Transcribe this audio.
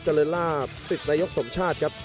เจริญลาภติดในยกสมชาติครับ